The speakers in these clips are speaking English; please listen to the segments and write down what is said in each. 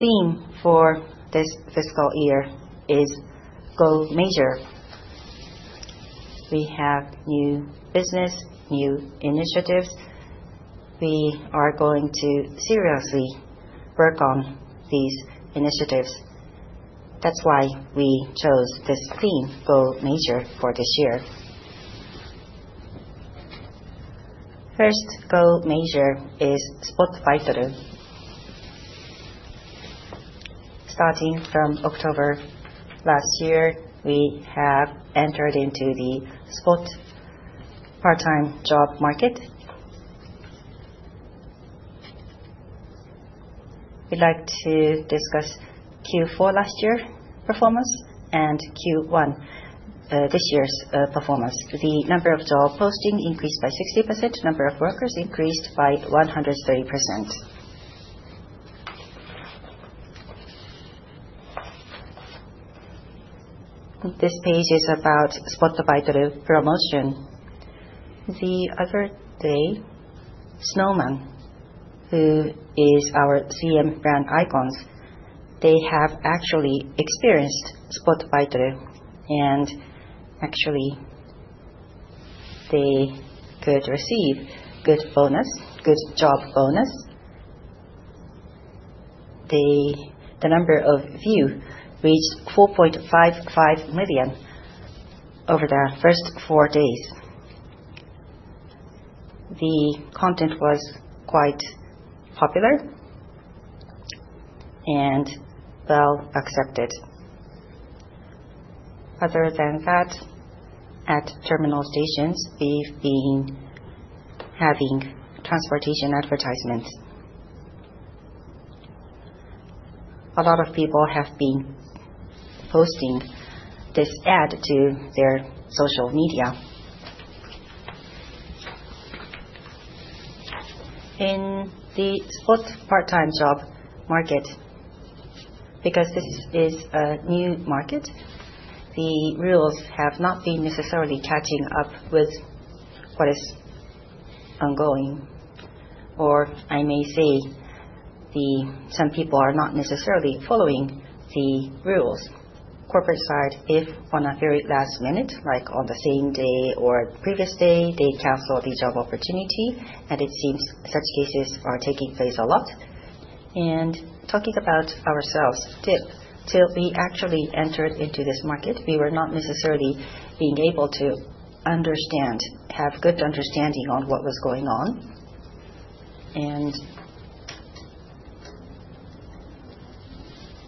Theme for this fiscal year is GO MAJOR. We have new business, new initiatives. We are going to seriously work on these initiatives. That's why we chose this theme, GO MAJOR, for this year. First GO MAJOR is Spot Baitoru. Starting from October last year, we have entered into the spot part-time job market. We'd like to discuss Q4 last year performance and Q1 this year's performance. The number of job posting increased by 60%. Number of workers increased by 130%. This page is about Spot Baitoru promotion. The other day, Snow Man, who is our CM brand icons, they have actually experienced Spot Baitoru, and actually they could receive good bonus, good job bonus. The number of view reached 4.55 million over the first four days. The content was quite popular and well accepted. Other than that, at terminal stations, we've been having transportation advertisements. A lot of people have been posting this ad to their social media. In the spot part-time job market, because this is a new market, the rules have not been necessarily catching up with what is ongoing, or I may say some people are not necessarily following the rules. Corporate side, if on a very last minute, like on the same day or previous day, they cancel the job opportunity, it seems such cases are taking place a lot. Talking about ourselves, DIP, till we actually entered into this market, we were not necessarily being able to understand, have good understanding on what was going on.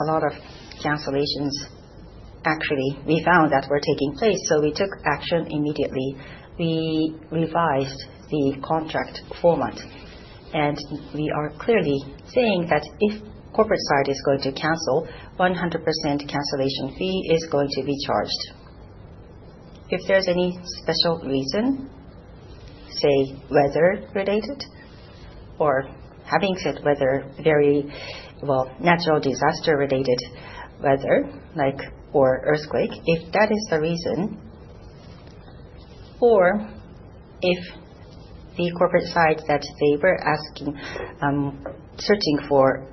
A lot of cancellations actually we found that were taking place, so we took action immediately. We revised the contract format, and we are clearly saying that if corporate side is going to cancel, 100% cancellation fee is going to be charged. If there's any special reason, say weather related or having said weather very, natural disaster related weather like or earthquake, if that is the reason, or if the corporate side that they were asking, searching for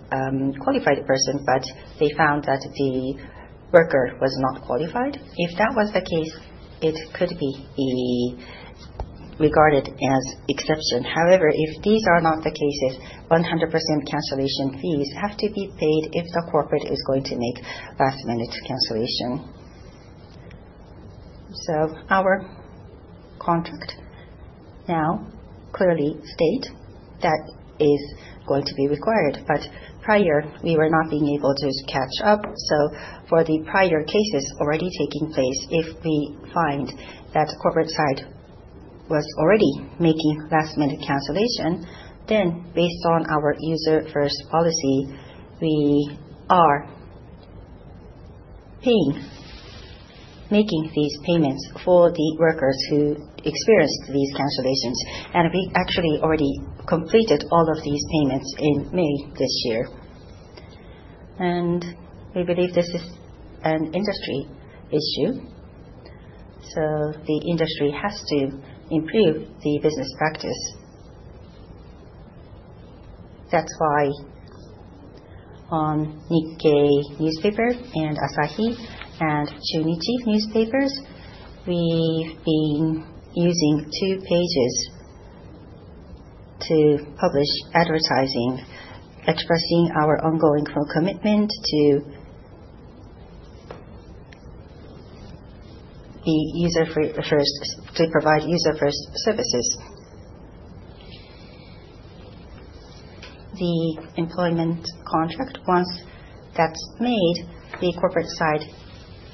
qualified person, but they found that the worker was not qualified. If that was the case, it could be regarded as exception. However, if these are not the cases, 100% cancellation fees have to be paid if the corporate is going to make last-minute cancellation. Our contract now clearly state that is going to be required. Prior, we were not being able to catch up. For the prior cases already taking place, if we find that corporate side was already making last-minute cancellation, then based on our user-first policy, we are paying, making these payments for the workers who experienced these cancellations. We actually already completed all of these payments in May this year. We believe this is an industry issue, so the industry has to improve the business practice. That's why on The Nikkei and The Asahi Shimbun and The Chunichi Shimbun, we've been using two pages to publish advertising expressing our ongoing full commitment to provide user-first services. The employment contract, once that's made, the corporate side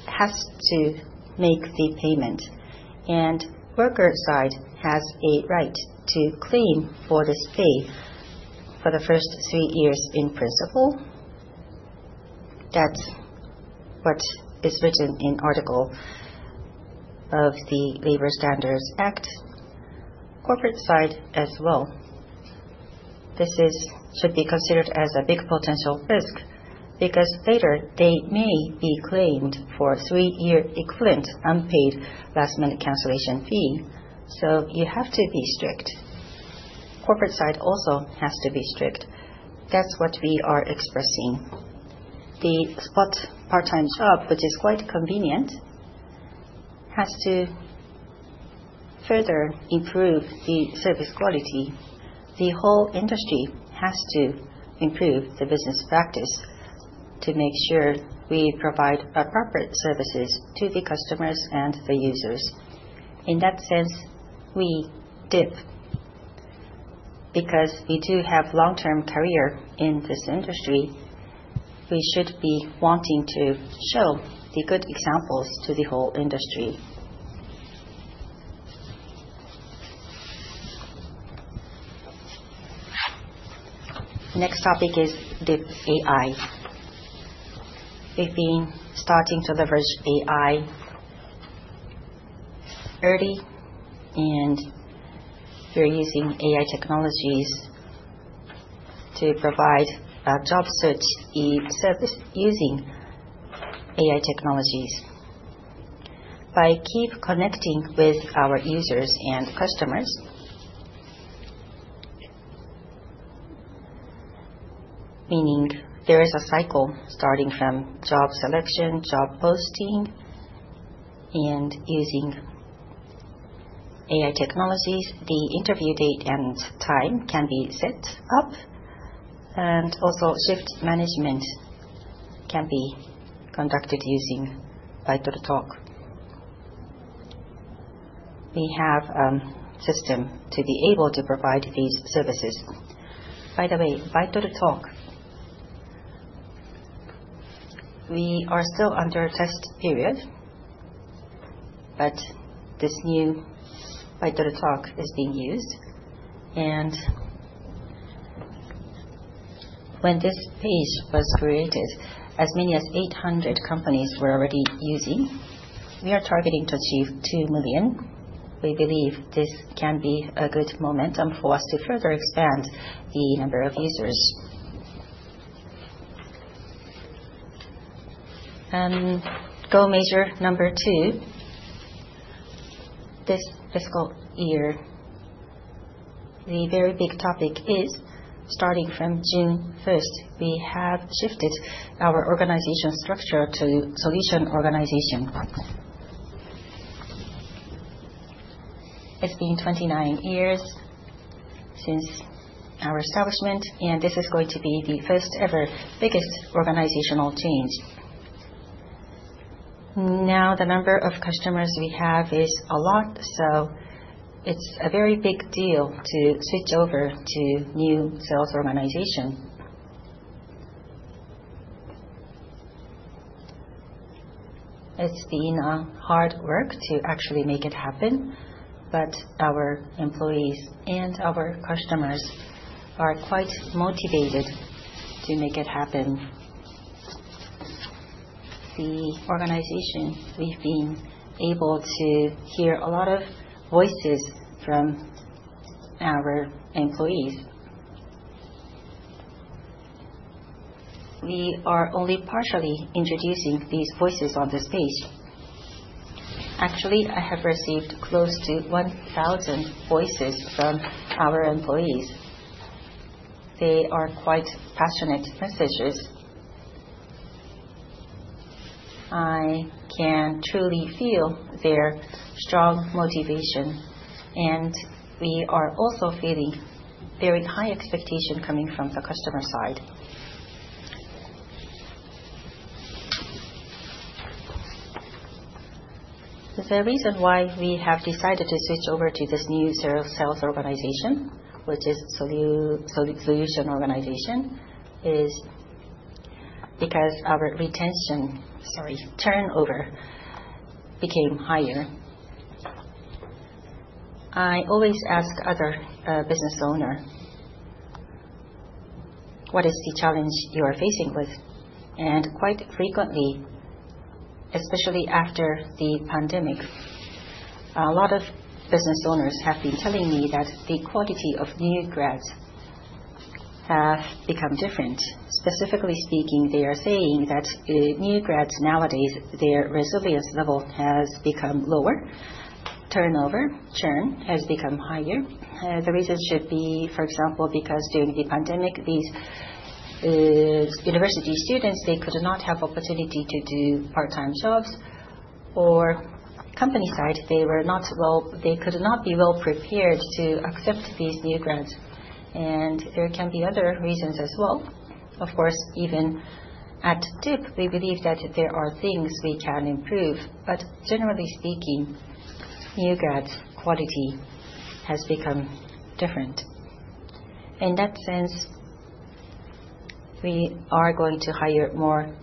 has to make the payment. Worker side has a right to claim for this fee for the first three years in principle. That's what is written in article of the Labor Standards Act. Corporate side as well. This should be considered as a big potential risk because later they may be claimed for three-year equivalent unpaid last-minute cancellation fee. You have to be strict. Corporate side also has to be strict. That's what we are expressing. The spot part-time job, which is quite convenient, has to further improve the service quality. The whole industry has to improve the business practice to make sure we provide appropriate services to the customers and the users. In that sense, we DIP. We do have long-term career in this industry, we should be wanting to show the good examples to the whole industry. Next topic is dip AI. We've been starting to leverage AI early, and we're using AI technologies to provide a job search e-service using AI technologies. By keep connecting with our users and customers, meaning there is a cycle starting from job selection, job posting, and using AI technologies, the interview date and time can be set up, and also shift management can be conducted using Baitoru talk. We have a system to be able to provide these services. By the way, Baitoru talk, we are still under test period, but this new Baitoru talk is being used. When this page was created, as many as 800 companies were already using. We are targeting to achieve 2 million. We believe this can be a good momentum for us to further expand the number of users. GO MAJOR number two, this fiscal year, the very big topic is starting from June 1st, we have shifted our organization structure to solution organization model. It's been 29 years since our establishment, and this is going to be the first ever biggest organizational change. The number of customers we have is a lot, so it's a very big deal to switch over to new sales organization. It's been hard work to actually make it happen, but our employees and our customers are quite motivated to make it happen. The organization, we've been able to hear a lot of voices from our employees. We are only partially introducing these voices on this page. I have received close to 1,000 voices from our employees. They are quite passionate messages. I can truly feel their strong motivation, and we are also feeling very high expectation coming from the customer side. The reason why we have decided to switch over to this new sales organization, which is solution organization, is because our retention, sorry, turnover became higher. I always ask other business owner, "What is the challenge you are facing with?" Quite frequently, especially after the pandemic, a lot of business owners have been telling me that the quality of new grads have become different. Specifically speaking, they are saying that the new grads nowadays, their resilience level has become lower. Turnover, churn has become higher. The reason should be, for example, because during the pandemic, these university students, they could not have opportunity to do part-time jobs, or company side, they could not be well-prepared to accept these new grads. There can be other reasons as well. Of course, even at DIP, we believe that there are things we can improve. Generally speaking, new grads' quality has become different. In that sense, we are going to hire more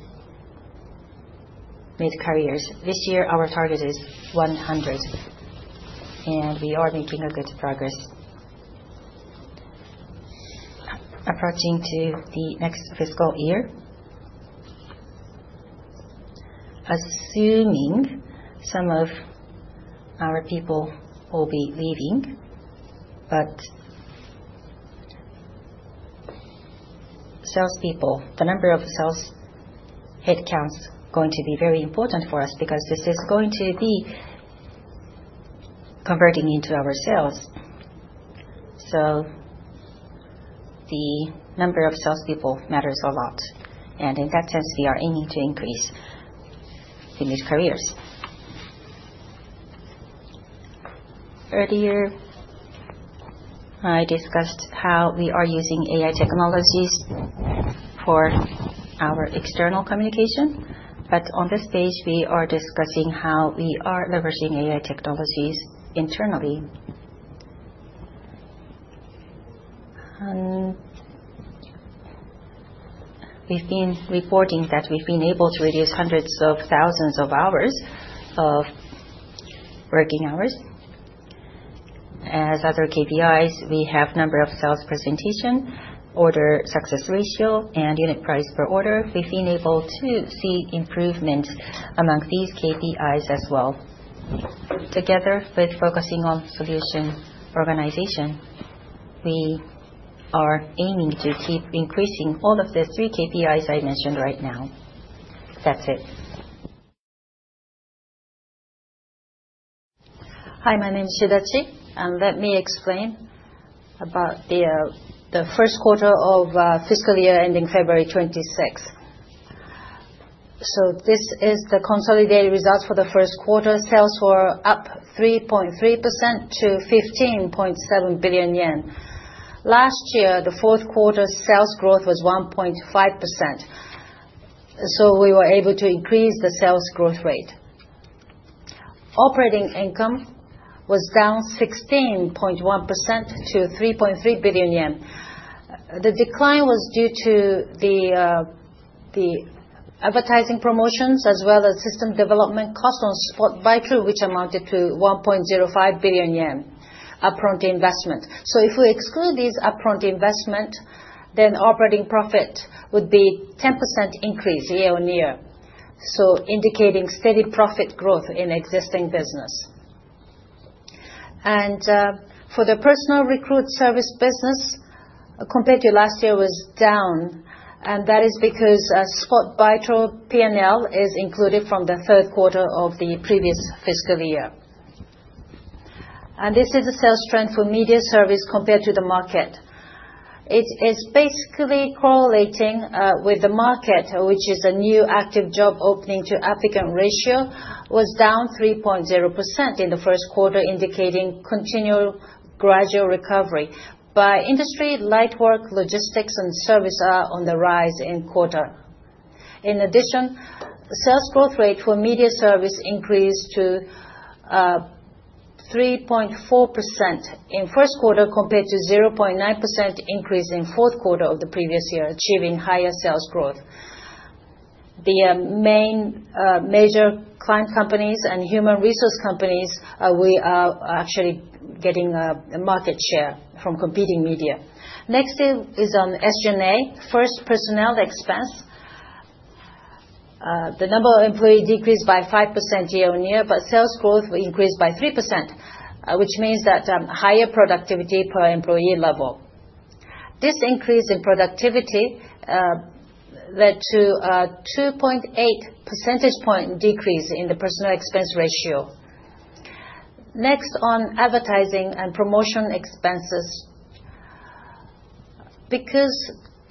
mid-careers. This year, our target is 100, and we are making a good progress. Approaching to the next fiscal year, assuming some of our people will be leaving. Salespeople, the number of sales headcounts going to be very important for us because this is going to be converting into our sales. The number of salespeople matters a lot. In that sense, we are aiming to increase in these careers. Earlier, I discussed how we are using AI technologies for our external communication. On this page, we are discussing how we are leveraging AI technologies internally. We've been reporting that we've been able to reduce hundreds of thousands of hours of working hours. As other KPIs, we have number of sales presentation, order success ratio, and unit price per order. We've been able to see improvements among these KPIs as well. Together with focusing on solution organization, we are aiming to keep increasing all of the three KPIs I mentioned right now. That's it. Hi, my name is Masatsugu Shidachi, let me explain about the Q1 of fiscal year ending February 26th. This is the consolidated results for the Q1. Sales were up 3.3% to 15.7 billion yen. Last year, the Q4 sales growth was 1.5%, we were able to increase the sales growth rate. Operating income was down 16.1% to 3.3 billion yen. The decline was due to the advertising promotions as well as system development costs on Spot Baitoru, which amounted to 1.05 billion yen upfront investment. If we exclude these upfront investment, then operating profit would be 10% increase year-on-year, indicating steady profit growth in existing business. For the personal recruit service business, compared to last year, was down. That is because Spot Baitoru P&L is included from the Q3 of the previous fiscal year. This is a sales trend for media service compared to the market. It is basically correlating with the market, which is a new active job openings-to-applicants ratio, was down 3.0% in the Q1, indicating continual gradual recovery. By industry, light work, logistics, and service are on the rise in quarter. In addition, sales growth rate for media service increased to 3.4% in Q1 compared to 0.9% increase in Q4 of the previous year, achieving higher sales growth. The main, major client companies and human resource companies, we are actually getting a market share from competing media. Is on SG&A. First, personnel expense. The number of employee decreased by 5% year-on-year, but sales growth increased by 3%, which means that higher productivity per employee level. This increase in productivity led to a 2.8 percentage point decrease in the personnel expense ratio. On advertising and promotion expenses. Because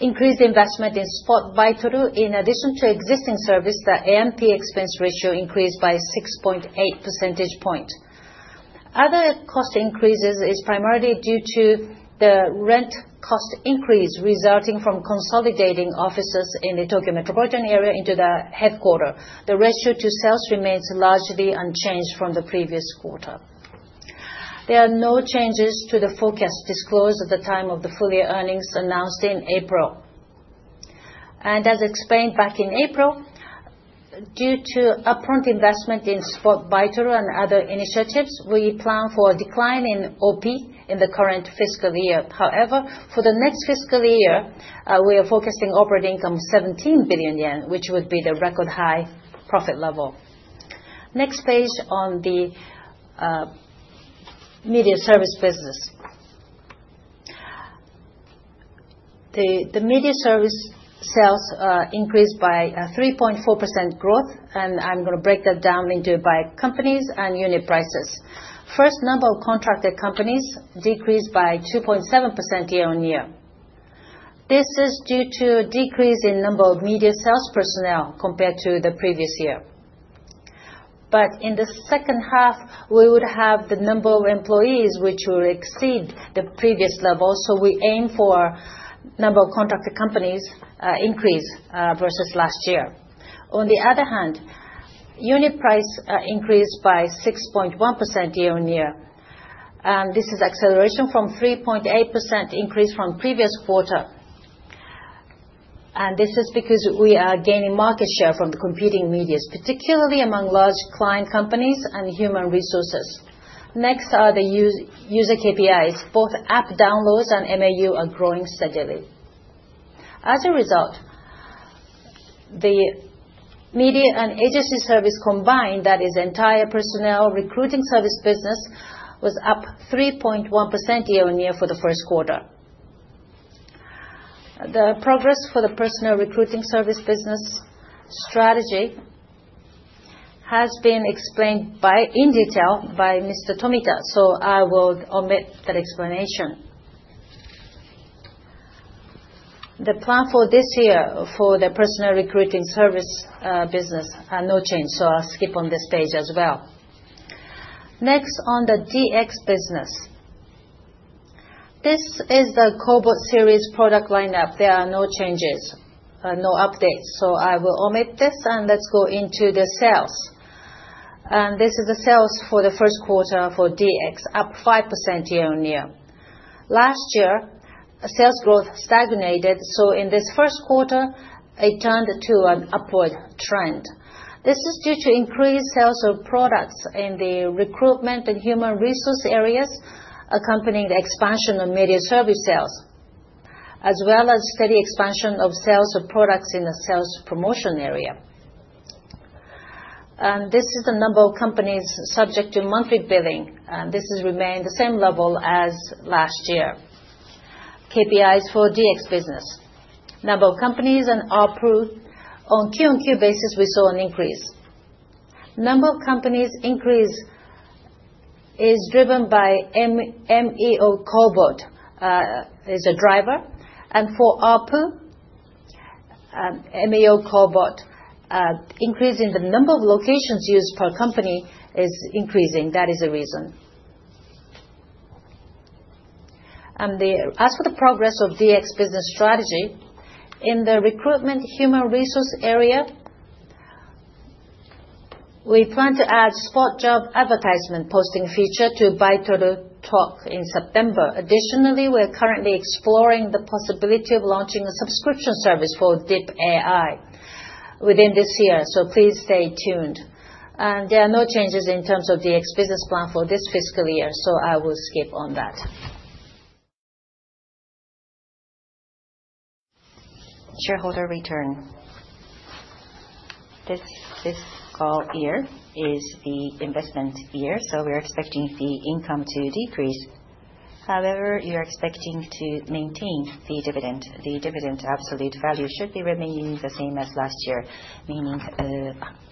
increased investment in Spot Baitoru, in addition to existing service, the A&P expense ratio increased by 6.8 percentage point. Other cost increases is primarily due to the rent cost increase resulting from consolidating offices in the Tokyo metropolitan area into the headquarter. The ratio to sales remains largely unchanged from the previous quarter. There are no changes to the forecast disclosed at the time of the full year earnings announced in April. As explained back in April, due to upfront investment in Spot Baitoru and other initiatives, we plan for a decline in OP in the current fiscal year. For the next fiscal year, we are focusing operating income 17 billion yen, which would be the record high profit level. Next page on the media service business. The media service sales increased by 3.4% growth, and I'm gonna break that down into by companies and unit prices. First, number of contracted companies decreased by 2.7% year-on-year. This is due to decrease in number of media sales personnel compared to the previous year. In the H2, we would have the number of employees which will exceed the previous level. We aim for number of contracted companies increase versus last year. Unit price increased by 6.1% year-on-year. This is acceleration from 3.8% increase from previous quarter. This is because we are gaining market share from the competing media, particularly among large client companies and human resources. Next are the user KPIs. Both app downloads and MAU are growing steadily. The media and agency service combined, that is entire personnel recruiting service business, was up 3.1% year-on-year for the Q1. The progress for the personnel recruiting service business strategy has been explained in detail by Mr. Tomita, I will omit that explanation. The plan for this year for the personnel recruiting service business are no change, I'll skip on this page as well. On the DX business. This is the KOBOT series product lineup. There are no changes, no updates, so I will omit this, and let's go into the sales. This is the sales for the Q1 for DX, up 5% year-over-year. Last year, sales growth stagnated, so in this Q1, it turned to an upward trend. This is due to increased sales of products in the recruitment and human resource areas accompanying the expansion of media service sales, as well as steady expansion of sales of products in the sales promotion area. This is the number of companies subject to monthly billing, and this has remained the same level as last year. KPIs for DX business. Number of companies and ARPU. On Q-on-Q basis, we saw an increase. Number of companies increase is driven by MEO KOBOT, is a driver. For ARPU, MEO KOBOT, increase in the number of locations used per company is increasing. That is the reason. As for the progress of DX business strategy, in the recruitment human resources area, we plan to add spot job advertisement posting feature to Baitoru talk in September. We're currently exploring the possibility of launching a subscription service for dip AI within this year, so please stay tuned. There are no changes in terms of DX business plan for this fiscal year, so I will skip on that. Shareholder return. This fiscal year is the investment year, so we are expecting the income to decrease. However, we are expecting to maintain the dividend. The dividend absolute value should be remaining the same as last year, meaning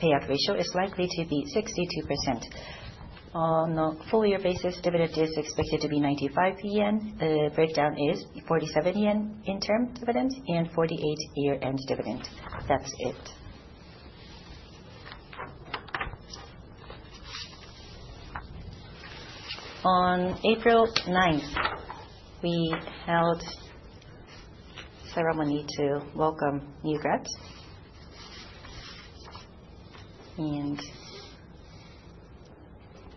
payout ratio is likely to be 62%. On a full year basis, dividend is expected to be 95 yen. The breakdown is 47 yen interim dividend and 48 year-end dividend. That's it. On April 9th, we held ceremony to welcome new grads.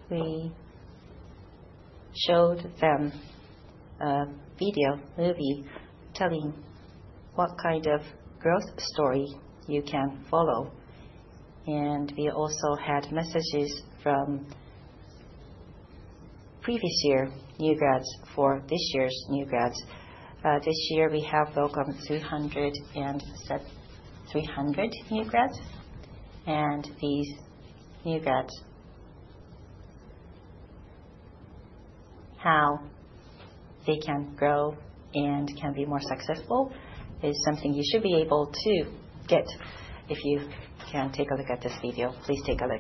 We showed them a video, movie telling what kind of growth story you can follow. We also had messages from previous year new grads for this year's new grads. This year, we have welcomed 300 new grads. These new grads, how they can grow and can be more successful is something you should be able to get if you can take a look at this video. Please take a look.